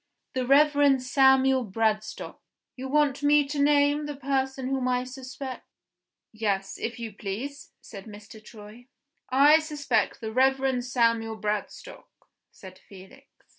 "The Reverend Samuel Bradstock." "You want me to name the person whom I suspect?" "Yes, if you please," said Mr. Troy. "I suspect the Reverend Samuel Bradstock," said Felix.